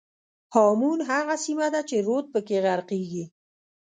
هامون هغه سیمه ده چې رود پکې غرقېږي.